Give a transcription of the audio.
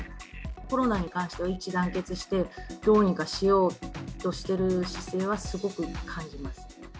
コロナに関しては、一致団結して、どうにかしようとしている姿勢はすごく感じます。